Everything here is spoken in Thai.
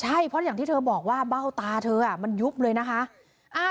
ใช่เพราะอย่างที่เธอบอกว่าเบ้าตาเธอมันยุบเลยนะคะ